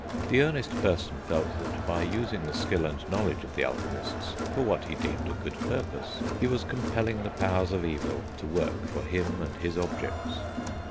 The earnest person felt that by using the skill and knowledge of the alchemists, for what he deemed a good purpose, he was compelling the powers of evil to work for him and his objects.